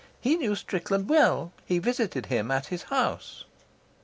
"He knew Strickland well; he visited him at his house."